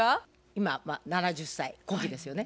今７０歳古希ですよね。